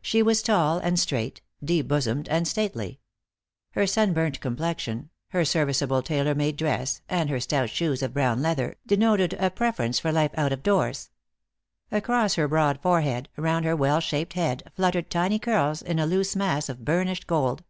She was tall and straight, deep bosomed and stately. Her sunburnt complexion, her serviceable tailor made dress and her stout shoes of brown leather, denoted a preference for life out of doors. Across her broad forehead, round her well shaped head, fluttered tiny curls in a loose mass of burnished gold.